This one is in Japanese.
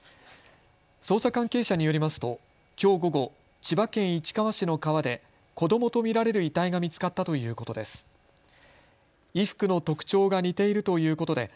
捜査関係者によりますときょう午後、千葉県市川市の川で子どもと見られる遺体が見つかったということです。